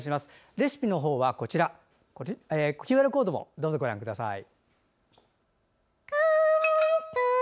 レシピのほうはＱＲコードをご覧ください。